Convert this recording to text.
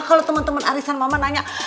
kalo temen temen arisan mama nanya